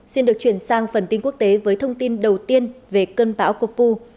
xin được chuyển sang phần tin quốc tế với thông tin đầu tiên về cơn bão copu